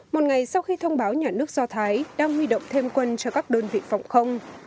một ngày sau khi thông báo nhà nước do thái đang huy động thêm quân cho các đơn vị phòng không